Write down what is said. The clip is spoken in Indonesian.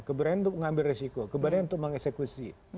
keberanian untuk mengambil resiko keberanian untuk mengeksekusi